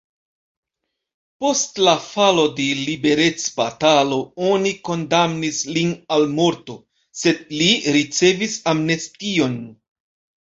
Post la falo de liberecbatalo oni kondamnis lin al morto, sed li ricevis amnestion.